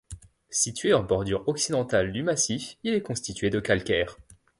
Situé en bordure occidentale du massif, il est constitué de calcaires.